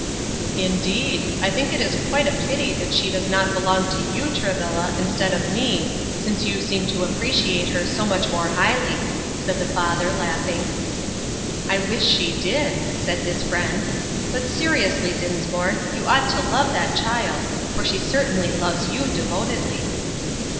"Indeed! I think it is quite a pity that she does not belong to you, Travilla, instead of me, since you seem to appreciate her so much more highly," replied the father, laughing. "I wish she did," said his friend. "But, seriously, Dinsmore, you ought to love that child, for she certainly loves you devotedly."